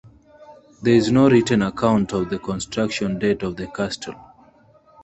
There is no written account of the construction date of the castle.